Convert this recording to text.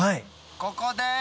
ここです！